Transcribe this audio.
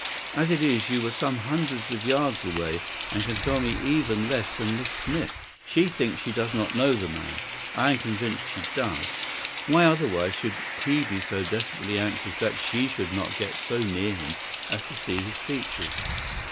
As it is you were some hundreds of yards away, and can tell me even less than Miss Smith. She thinks she does not know the man; I am convinced she does. Why, otherwise, should he be so desperately anxious that she should not get so near him as to see his features?